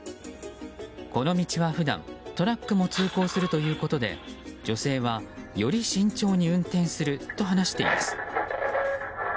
この道は普段トラックも通行するということで女性は、より慎重に運転すると話しています。